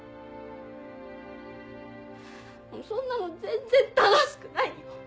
そんなの全然楽しくないよ。